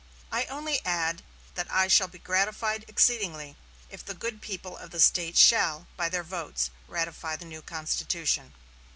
I only add that I shall be gratified exceedingly if the good people of the State shall, by their votes, ratify the new constitution."